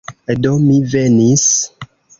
Do, mi venis...